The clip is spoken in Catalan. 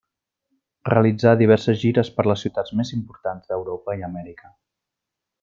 Realitzà diverses gires per les ciutats més importants d'Europa i Amèrica.